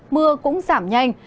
mưa cũng giảm nhanh